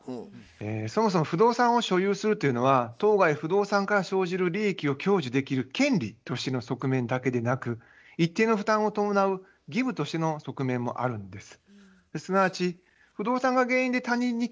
そもそも不動産を所有するというのは当該不動産から生じる利益を享受できる権利としての側面だけでなく一定の負担を伴う義務としての側面もあるんです。